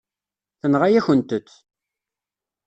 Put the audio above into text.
Tenɣa-yakent-t.